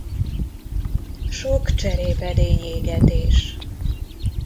Sok cserépedény-égetés.